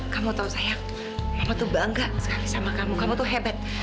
kamu tahu saya kamu tuh bangga sekali sama kamu kamu tuh hebat